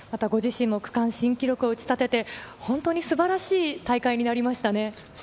区間新記録を打ち立てて本当に素晴らしい大会になりましたね。